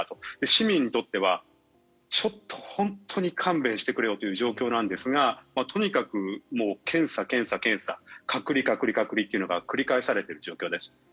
市民にとっては本当に勘弁してくれよという状況なんですがとにかく検査、検査、検査隔離、隔離、隔離というのが繰り返されている状況です。